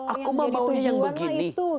aku mah maunya begini